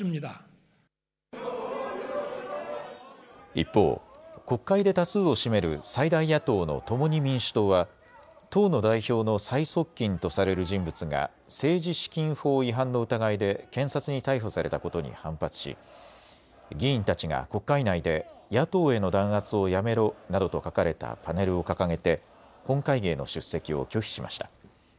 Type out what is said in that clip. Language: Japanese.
一方、国会で多数を占める最大野党の共に民主党は党の代表の最側近とされる人物が政治資金法違反の疑いで検察に逮捕されたことに反発し、議員たちが、国会内で野党への弾圧をやめろなどと書かれたパネルを掲げて本会議への出席を拒否しました。